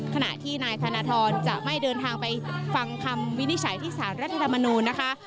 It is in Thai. ขณะที่นายธนทรจะไม่เดินทางไปฟังคำวินิจฉัยที่สารรัฐธรรมนูญนะคะ